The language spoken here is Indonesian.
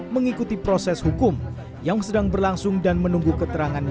mengikuti proses hukum yang sedang berlangsung dan menunggu keterangannya